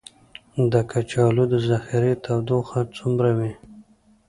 د کچالو د ذخیرې تودوخه څومره وي؟